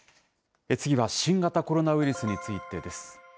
次は新型コロナウイルスについてです。